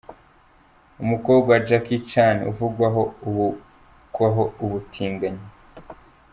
Umukobwa wa Jackie Chan, uvugwaho ubugwaho ubutinganyi.